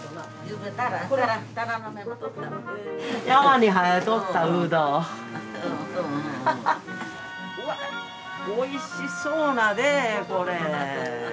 うわっおいしそうなねこれ。